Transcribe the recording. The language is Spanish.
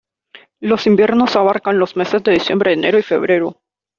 Los inviernos abarcan los meses de diciembre, enero y febrero.